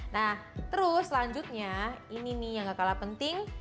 nah terus selanjutnya ini nih yang gak kalah penting